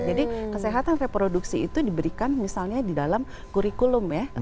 jadi kesehatan reproduksi itu diberikan misalnya di dalam kurikulum ya